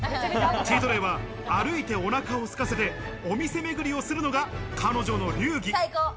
チートデイは歩いてお腹をすかせて、お店巡りをするのが彼女の流儀。